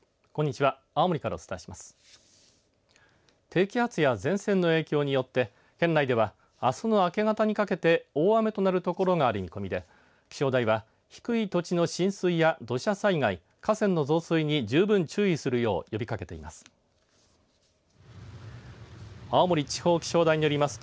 低気圧や前線の影響によって県内では、あすの明け方にかけて大雨となる所がある見込みで気象台は低い土地の浸水や土砂災害、河川の増水に十分注意するよう呼びかけています。